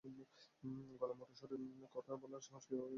গলা মোটা করে কথা বলার সাহস করো কীভাবে?